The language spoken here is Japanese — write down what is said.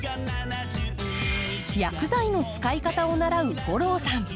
薬剤の使い方を習う吾郎さん。